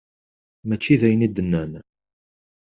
Mačči d ayen i d-nnan.